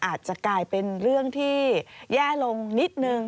อาจจะกลายเป็นเรื่องที่แย่ลงนิดนึง